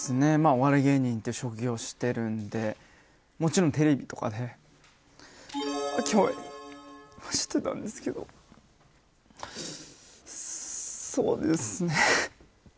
お笑い芸人って職業をしているのでもちろんテレビでも知ってたんですけどそうですね。